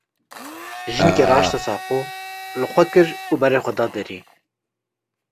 Jinikê rahişte saqo, li xwe kir û berê xwe da derî.